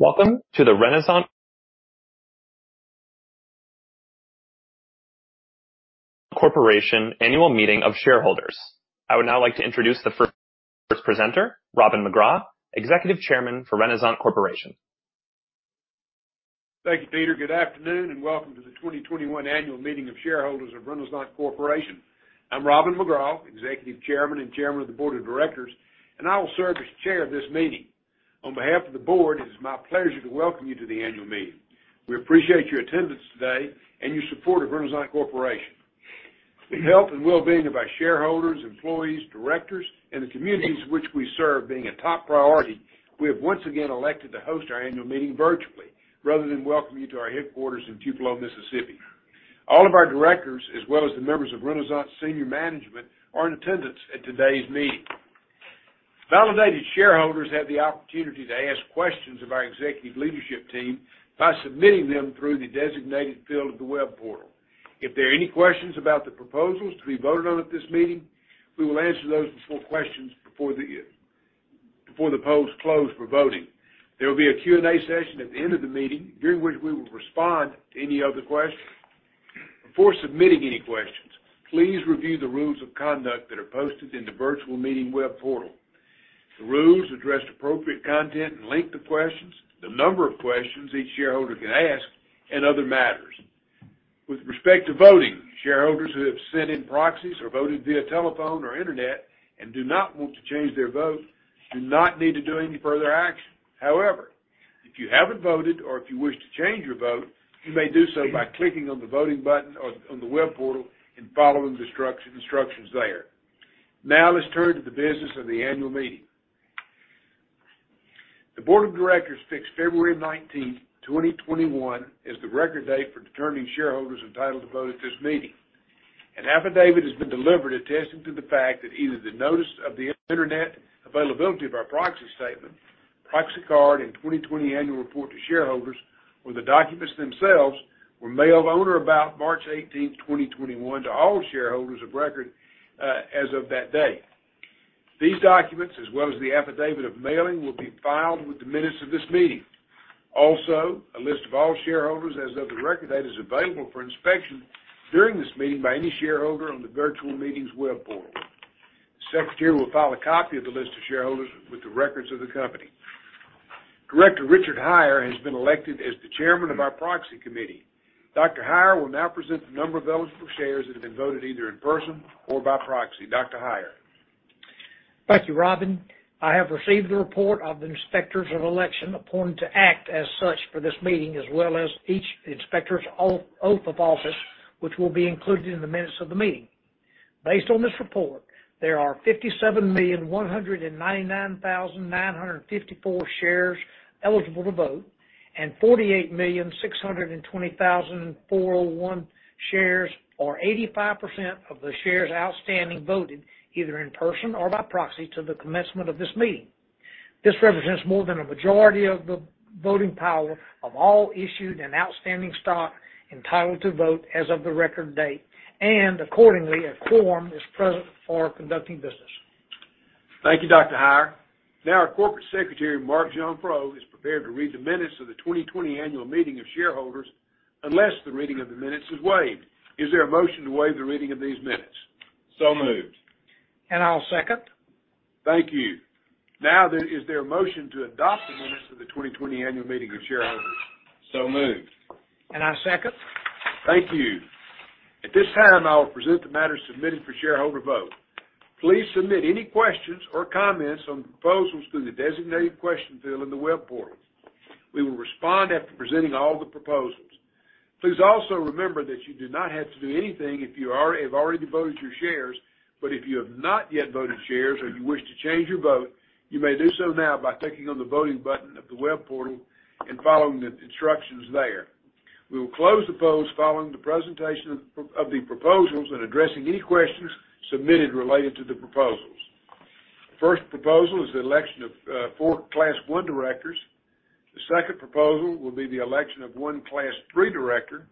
Welcome to the Renasant Corporation Annual Meeting of Shareholders. I would now like to introduce the first presenter, Robin McGraw, Executive Chairman for Renasant Corporation. Thank you, Peter. Good afternoon, Welcome to the 2021 Annual Meeting of Shareholders of Renasant Corporation. I'm Robin McGraw, Executive Chairman and Chairman of the Board of Directors, and I will serve as Chair of this meeting. On behalf of the board, it is my pleasure to welcome you to the annual meeting. We appreciate your attendance today and your support of Renasant Corporation. The health and well-being of our shareholders, employees, directors, and the communities which we serve being a top priority, we have once again elected to host our annual meeting virtually rather than welcome you to our headquarters in Tupelo, Mississippi. All of our directors, as well as the members of Renasant senior management, are in attendance at today's meeting. Validated shareholders have the opportunity to ask questions of our executive leadership team by submitting them through the designated field of the web portal. If there are any questions about the proposals to be voted on at this meeting, we will answer those questions before the polls close for voting. There will be a Q&A session at the end of the meeting, during which we will respond to any other questions. Before submitting any questions, please review the rules of conduct that are posted in the virtual meeting web portal. The rules address appropriate content and length of questions, the number of questions each shareholder can ask, and other matters. With respect to voting, shareholders who have sent in proxies or voted via telephone or internet and do not want to change their vote do not need to do any further action. However, if you haven't voted or if you wish to change your vote, you may do so by clicking on the Voting button on the web portal and following the instructions there. Now, let's turn to the business of the annual meeting. The board of directors fixed February 19th, 2021, as the record date for determining shareholders entitled to vote at this meeting. An affidavit has been delivered attesting to the fact that either the notice of the internet availability of our proxy statement, proxy card, and 2020 annual report to shareholders, or the documents themselves were mailed on or about March 18th, 2021, to all shareholders of record as of that day. These documents, as well as the affidavit of mailing, will be filed with the minutes of this meeting. Also, a list of all shareholders as of the record date is available for inspection during this meeting by any shareholder on the virtual meetings web portal. The Secretary will file a copy of the list of shareholders with the records of the company. Director Richard L. Heyer, Jr. has been elected as the Chairman of our Proxy Committee. Dr. Heyer will now present the number of eligible shares that have been voted either in person or by proxy. Director Heyer. Thank you, Robin. I have received a report of the Inspectors of Election appointed to act as such for this meeting, as well as each inspector's oath of office, which will be included in the minutes of the meeting. Based on this report, there are 57,199,954 shares eligible to vote and 48,620,401 shares, or 85% of the shares outstanding, voted either in person or by proxy to the commencement of this meeting. This represents more than a majority of the voting power of all issued and outstanding stock entitled to vote as of the record date, and accordingly, a quorum is present for conducting business. Thank you, Dr. Heyer. Our Corporate Secretary, Mark Jeanfreau, is prepared to read the minutes of the 2020 Annual Meeting of Shareholders unless the reading of the minutes is waived. Is there a motion to waive the reading of these minutes? Moved. I'll second. Thank you. Is there a motion to adopt the minutes of the 2020 Annual Meeting of Shareholders? Moved. I second. Thank you. At this time, I will present the matters submitted for shareholder vote. Please submit any questions or comments on proposals through the designated question field in the web portal. We will respond after presenting all the proposals. Please also remember that you do not have to do anything if you have already voted your shares. If you have not yet voted shares or you wish to change your vote, you may do so now by clicking on the Voting button of the web portal and following the instructions there. We will close the polls following the presentation of the proposals and addressing any questions submitted related to the proposals. First proposal is the election of four Class 1 directors. The second proposal will be the election of one Class 3 director.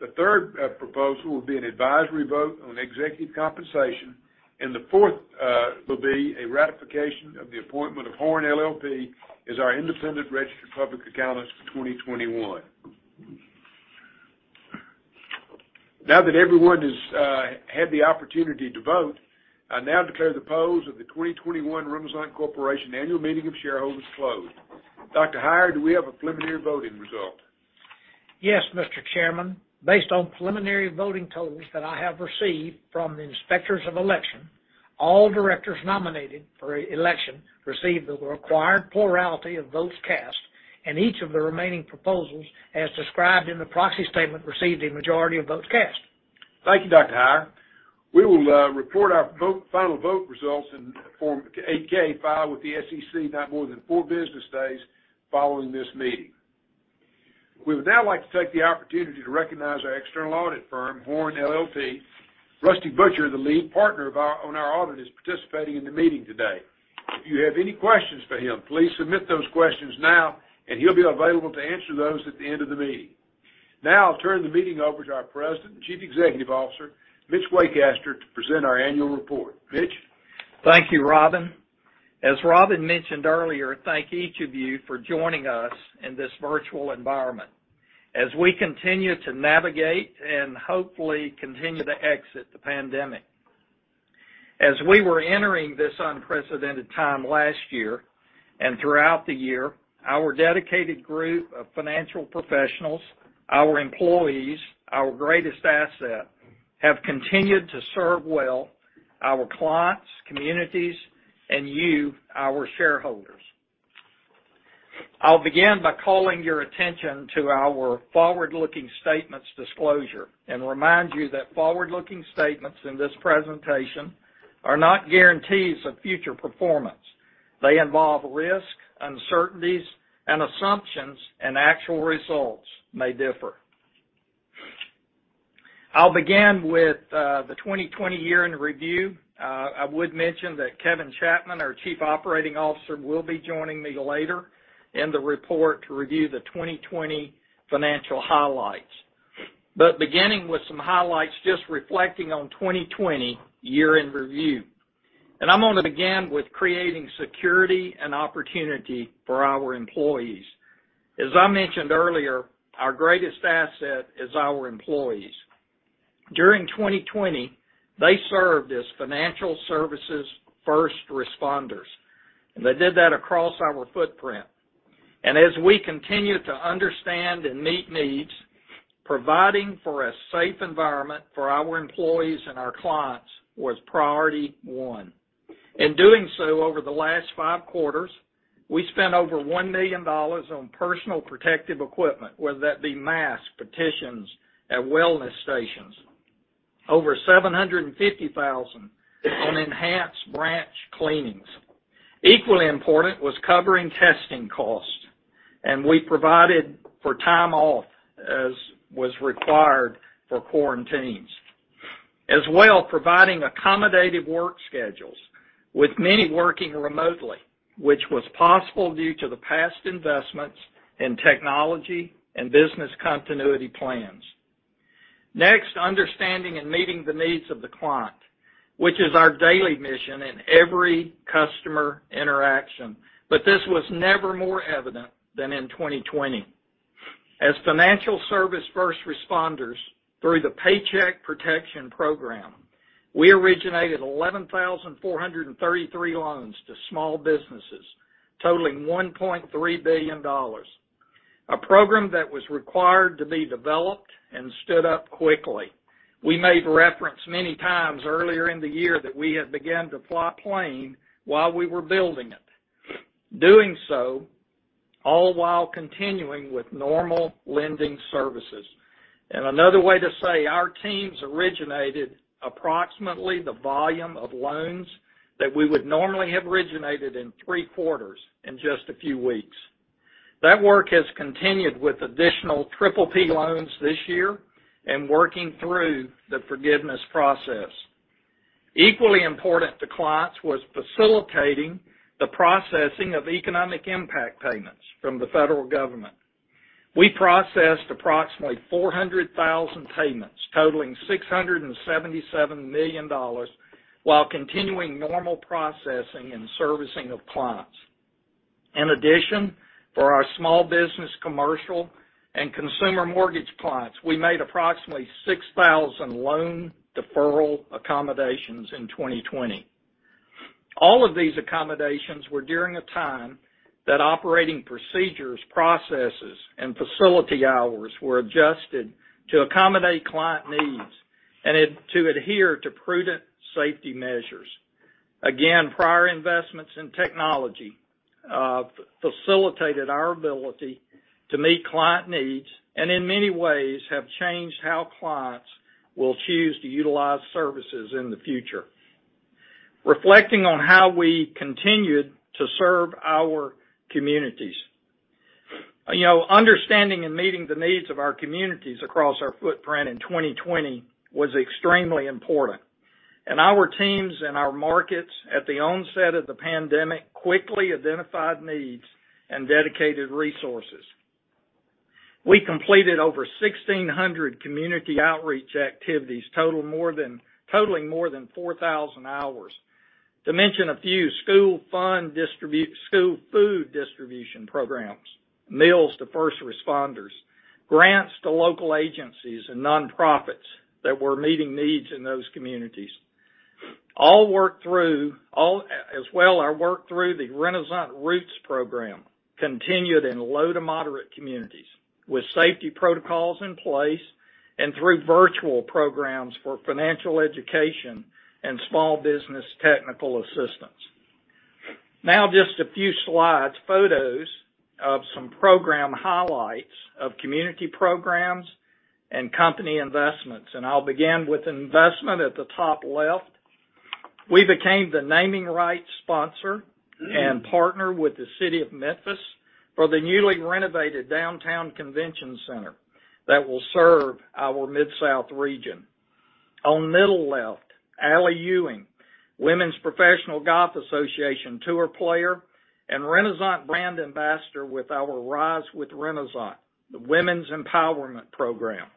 The third proposal will be an advisory vote on executive compensation. The fourth will be a ratification of the appointment of HORNE LLP as our independent registered public accountants for 2021. Now that everyone has had the opportunity to vote, I now declare the polls of the 2021 Renasant Corporation Annual Meeting of Shareholders closed. Director Heyer, do we have a preliminary voting result? Yes, Mr. Chairman. Based on preliminary voting totals that I have received from the Inspectors of Election, all directors nominated for election received the required plurality of votes cast, and each of the remaining proposals as described in the proxy statement, received a majority of votes cast. Thank you, Director Heyer. We will report our final vote results in Form 8-K filed with the SEC not more than four business days following this meeting. We would now like to take the opportunity to recognize our external audit firm, HORNE LLP. Rusty Butcher, the lead partner on our audit, is participating in the meeting today. If you have any questions for him, please submit those questions now, and he'll be available to answer those at the end of the meeting. Now I'll turn the meeting over to our President and Chief Executive Officer, Mitch Waycaster, to present our annual report. Mitch? Thank you, Robin. As Robin mentioned earlier, thank each of you for joining us in this virtual environment as we continue to navigate and hopefully continue to exit the pandemic. As we were entering this unprecedented time last year, and throughout the year, our dedicated group of financial professionals, our employees, our greatest asset, have continued to serve well our clients, communities, and you, our shareholders. I'll begin by calling your attention to our forward-looking statements disclosure, remind you that forward-looking statements in this presentation are not guarantees of future performance. They involve risk, uncertainties, and assumptions, actual results may differ. I'll begin with the 2020 year in review. I would mention that Kevin Chapman, our Chief Operating Officer, will be joining me later in the report to review the 2020 financial highlights. Beginning with some highlights, just reflecting on 2020 year in review. I'm going to begin with creating security and opportunity for our employees. As I mentioned earlier, our greatest asset is our employees. During 2020, they served as financial services first responders, and they did that across our footprint. As we continue to understand and meet needs, providing for a safe environment for our employees and our clients was priority one. In doing so, over the last five quarters, we spent over $1 million on personal protective equipment, whether that be masks, partitions, and wellness stations. Over $750,000 on enhanced branch cleanings. Equally important was covering testing costs, and we provided for time off, as was required for quarantines. As well, providing accommodative work schedules, with many working remotely, which was possible due to the past investments in technology and business continuity plans. Next, understanding and meeting the needs of the client, which is our daily mission in every customer interaction. This was never more evident than in 2020. As financial service first responders through the Paycheck Protection Program, we originated 11,433 loans to small businesses totaling $1.3 billion. A program that was required to be developed and stood up quickly. We made reference many times earlier in the year that we had began to fly a plane while we were building it. Doing so, all while continuing with normal lending services. Another way to say our teams originated approximately the volume of loans that we would normally have originated in three quarters in just a few weeks. That work has continued with additional PPP loans this year and working through the forgiveness process. Equally important to clients was facilitating the processing of economic impact payments from the Federal Government. We processed approximately 400,000 payments totaling $677 million while continuing normal processing and servicing of clients. In addition, for our small business, commercial, and consumer mortgage clients, we made approximately 6,000 loan deferral accommodations in 2020. All of these accommodations were during a time that operating procedures, processes, and facility hours were adjusted to accommodate client needs and to adhere to prudent safety measures. Again, prior investments in technology facilitated our ability to meet client needs, and in many ways, have changed how clients will choose to utilize services in the future. Reflecting on how we continued to serve our communities. Understanding and meeting the needs of our communities across our footprint in 2020 was extremely important, and our teams and our markets at the onset of the pandemic quickly identified needs and dedicated resources. We completed over 1,600 community outreach activities, totaling more than 4,000 hours. To mention a few, school food distribution programs, meals to first responders, grants to local agencies and nonprofits that were meeting needs in those communities. As well, our work through the Renasant Roots program continued in low to moderate communities with safety protocols in place and through virtual programs for financial education and small business technical assistance. Now just a few slides, photos of some program highlights of community programs and company investments, and I'll begin with investment at the top left. We became the naming rights sponsor and partner with the city of Memphis for the newly renovated downtown convention center that will serve our Mid-South region. On middle left, Ally Ewing, Ladies Professional Golf Association Tour player and Renasant brand ambassador with our Rise with Renasant, the women's empowerment program.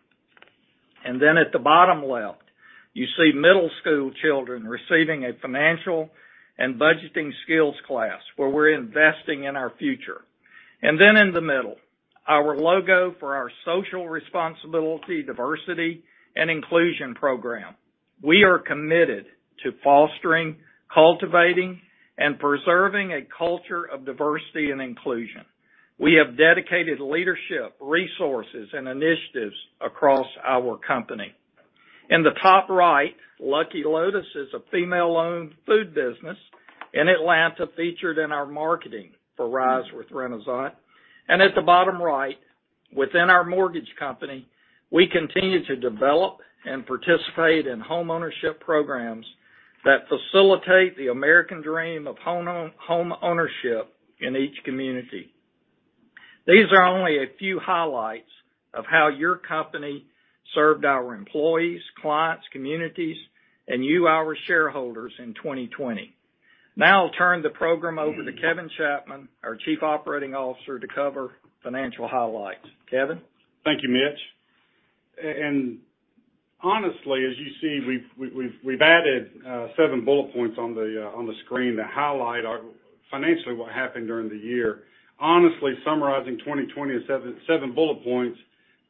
At the bottom left, you see middle school children receiving a financial and budgeting skills class, where we're investing in our future. In the middle, our logo for our social responsibility, diversity, and inclusion program. We are committed to fostering, cultivating, and preserving a culture of diversity and inclusion. We have dedicated leadership, resources, and initiatives across our company. In the top right, Lucky Lotus is a female-owned food business in Atlanta featured in our marketing for Rise with Renasant. At the bottom right, within our mortgage company, we continue to develop and participate in homeownership programs that facilitate the American dream of homeownership in each community. These are only a few highlights of how your company served our employees, clients, communities, and you, our shareholders, in 2020. Now I'll turn the program over to Kevin Chapman, our Chief Operating Officer, to cover financial highlights. Kevin? Thank you, Mitch. Honestly, as you see, we've added seven bullet points on the screen to highlight financially what happened during the year. Honestly, summarizing 2020 in seven bullet points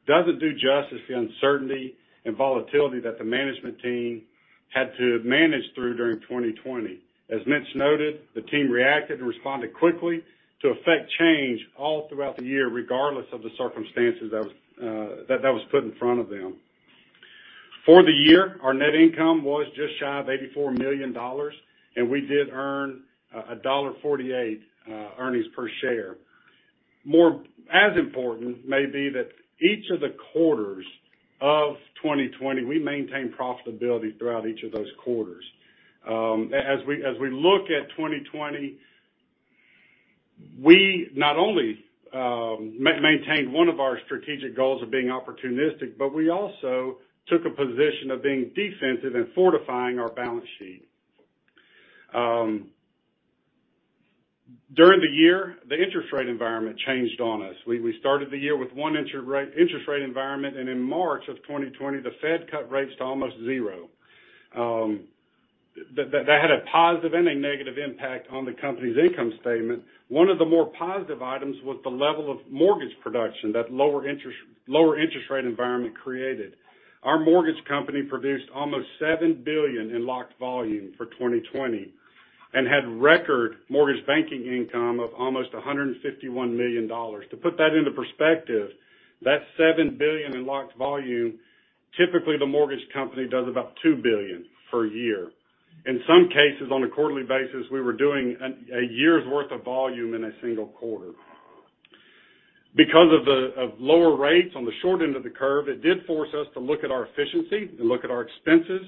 doesn't do justice to the uncertainty and volatility that the management team had to manage through during 2020. As Mitch noted, the team reacted and responded quickly to effect change all throughout the year, regardless of the circumstances that was put in front of them. For the year, our net income was just shy of $84 million, and we did earn $1.48 earnings per share. As important may be that each of the quarters of 2020, we maintained profitability throughout each of those quarters. As we look at 2020, we not only maintained one of our strategic goals of being opportunistic, but we also took a position of being defensive and fortifying our balance sheet. During the year, the interest rate environment changed on us. We started the year with one interest rate environment, and in March of 2020, the Fed cut rates to almost zero. That had a positive and a negative impact on the company's income statement. One of the more positive items was the level of mortgage production that lower interest rate environment created. Our mortgage company produced almost $7 billion in locked volume for 2020 and had record mortgage banking income of almost $151 million. To put that into perspective, that $7 billion in locked volume, typically the mortgage company does about $2 billion per year. In some cases, on a quarterly basis, we were doing a year's worth of volume in a single quarter. Because of lower rates on the short end of the curve, it did force us to look at our efficiency and look at our expenses.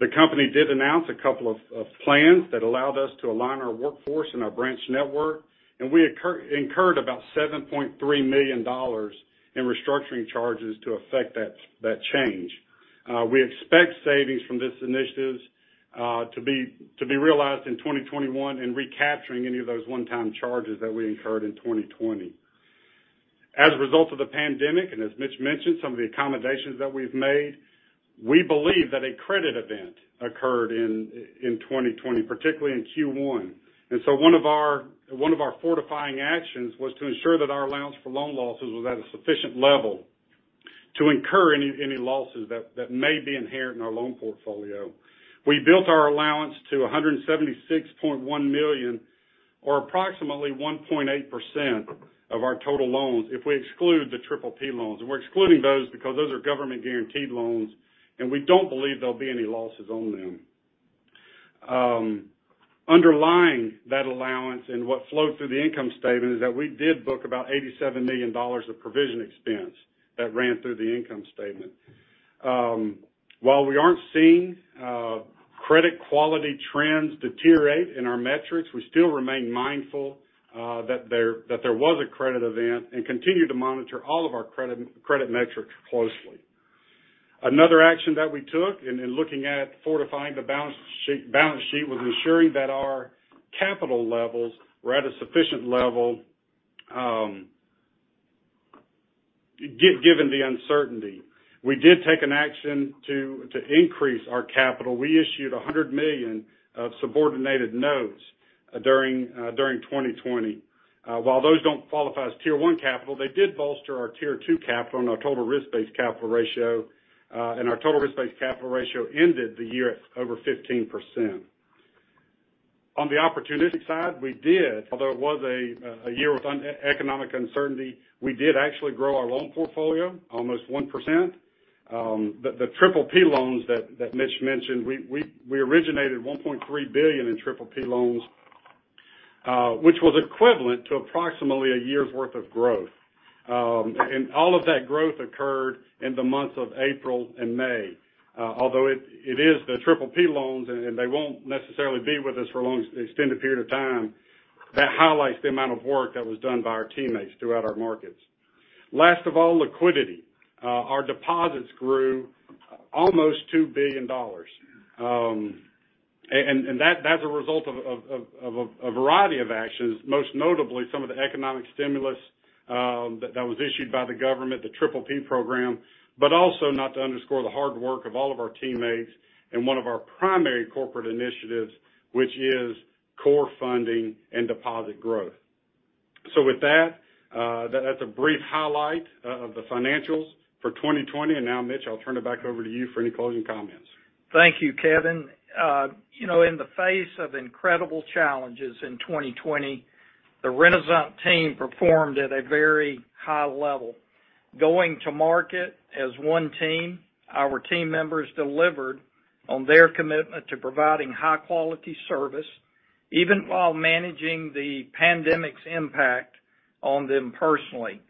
The company did announce a couple of plans that allowed us to align our workforce and our branch network, and we incurred about $7.3 million in restructuring charges to effect that change. We expect savings from these initiatives to be realized in 2021 in recapturing any of those one-time charges that we incurred in 2020. As a result of the pandemic, and as Mitch mentioned, some of the accommodations that we've made, we believe that a credit event occurred in 2020, particularly in Q1. One of our fortifying actions was to ensure that our allowance for loan losses was at a sufficient level to incur any losses that may be inherent in our loan portfolio. We built our allowance to $176.1 million, or approximately 1.8% of our total loans if we exclude the PPP loans. We're excluding those because those are government-guaranteed loans, and we don't believe there'll be any losses on them. Underlying that allowance and what flowed through the income statement is that we did book about $87 million of provision expense that ran through the income statement. While we aren't seeing credit quality trends deteriorate in our metrics, we still remain mindful that there was a credit event and continue to monitor all of our credit metrics closely. Another action that we took in looking at fortifying the balance sheet was ensuring that our capital levels were at a sufficient level given the uncertainty. We did take an action to increase our capital. We issued $100 million of subordinated notes during 2020. While those don't qualify as Tier 1 capital, they did bolster our Tier 2 capital and our total risk-based capital ratio, and our total risk-based capital ratio ended the year at over 15%. On the opportunistic side, we did, although it was a year with economic uncertainty, we did actually grow our loan portfolio almost 1%. The PPP loans that Mitch mentioned, we originated $1.3 billion in PPP loans, which was equivalent to approximately a year's worth of growth. All of that growth occurred in the months of April and May. Although it is the PPP loans, and they won't necessarily be with us for an extended period of time, that highlights the amount of work that was done by our teammates throughout our markets. Last of all, liquidity. Our deposits grew almost $2 billion. That's a result of a variety of actions, most notably some of the economic stimulus that was issued by the government, the PPP program. Also, not to underscore the hard work of all of our teammates in one of our primary corporate initiatives, which is core funding and deposit growth. With that's a brief highlight of the financials for 2020. Now, Mitch, I'll turn it back over to you for any closing comments. Thank you, Kevin. In the face of incredible challenges in 2020, the Renasant team performed at a very high level. Going to market as one team, our team members delivered on their commitment to providing high-quality service, even while managing the pandemic's impact on them personally.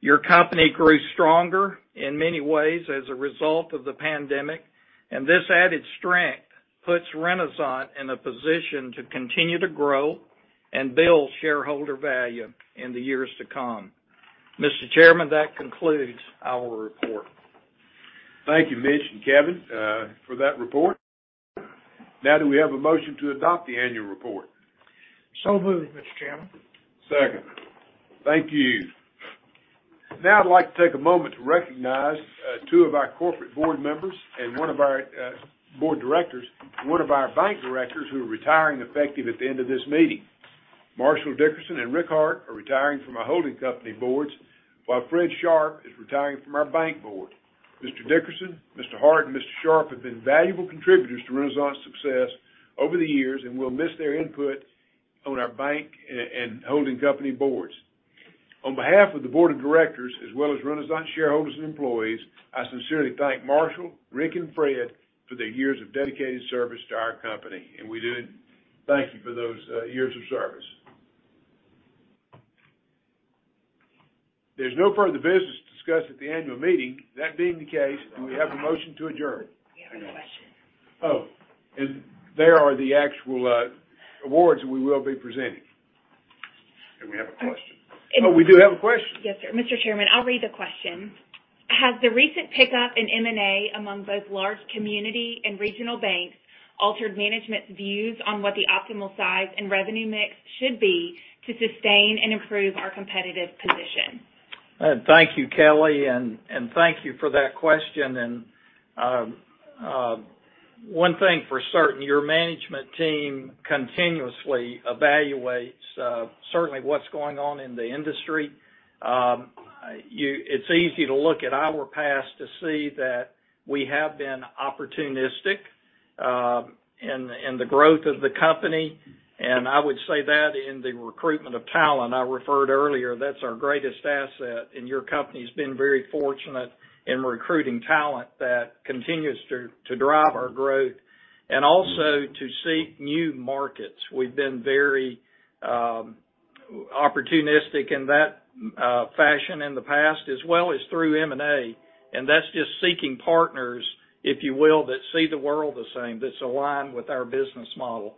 Your company grew stronger in many ways as a result of the pandemic. This added strength puts Renasant in a position to continue to grow and build shareholder value in the years to come. Mr. Chairman, that concludes our report. Thank you, Mitch and Kevin, for that report. Now, do we have a motion to adopt the annual report? Moved, Mr. Chairman. Second. Thank you. Now I'd like to take a moment to recognize two of our corporate board members and one of our board directors, one of our bank directors who are retiring effective at the end of this meeting. Marshall Dickerson and Rick Hart are retiring from our holding company boards, while Fred Sharpe is retiring from our bank board. Mr. Dickerson, Mr. Hart, and Mr. Sharpe have been valuable contributors to Renasant's success over the years, and we'll miss their input on our bank and holding company boards. On behalf of the board of directors, as well as Renasant shareholders and employees, I sincerely thank Marshall, Rick, and Fred for their years of dedicated service to our company, and we do thank you for those years of service. There's no further business to discuss at the annual meeting. That being the case, do we have a motion to adjourn? We have a question. Oh, there are the actual awards we will be presenting. We have a question. Oh, we do have a question. Yes, sir. Mr. Chairman, I'll read the question. Has the recent pickup in M&A among both large community and regional banks altered management's views on what the optimal size and revenue mix should be to sustain and improve our competitive position? Thank you, Kelly, and thank you for that question, and one thing for certain, your management team continuously evaluates certainly what's going on in the industry. It's easy to look at our past to see that we have been opportunistic in the growth of the company, and I would say that in the recruitment of talent, I referred earlier, that's our greatest asset, and your company's been very fortunate in recruiting talent that continues to drive our growth and also to seek new markets. We've been very opportunistic in that fashion in the past, as well as through M&A, and that's just seeking partners, if you will, that see the world the same, that's aligned with our business model.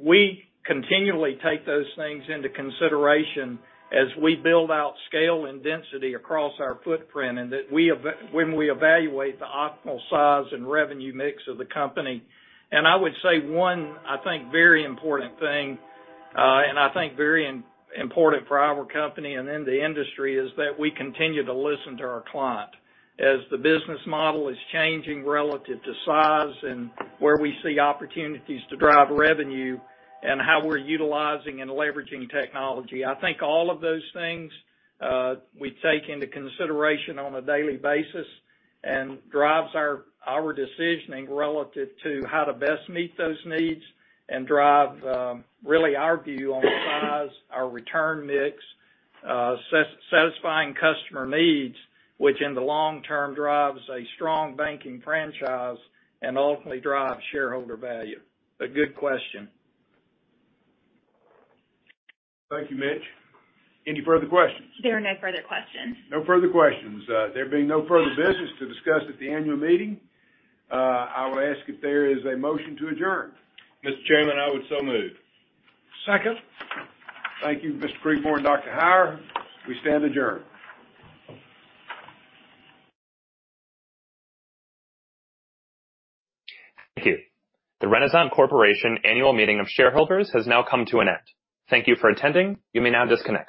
We continually take those things into consideration as we build out scale and density across our footprint and when we evaluate the optimal size and revenue mix of the company. I would say one, I think, very important thing, and I think very important for our company and in the industry, is that we continue to listen to our client as the business model is changing relative to size and where we see opportunities to drive revenue and how we're utilizing and leveraging technology. I think all of those things we take into consideration on a daily basis and drives our decisioning relative to how to best meet those needs and drive really our view on size, our return mix, satisfying customer needs, which in the long term drives a strong banking franchise and ultimately drives shareholder value. A good question. Thank you, Mitch. Any further questions? There are no further questions. No further questions. There being no further business to discuss at the annual meeting, I would ask if there is a motion to adjourn. Mr. Chairman, I would so move. Second. Thank you, Mr. Creekmore and Dr. Heyer. We stand adjourned. Thank you. The Renasant Corporation Annual Meeting of Shareholders has now come to an end. Thank you for attending. You may now disconnect.